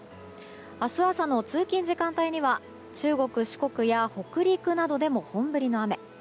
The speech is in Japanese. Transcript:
明日朝の通勤時間帯には中国・四国や北陸などでも本降りの雨。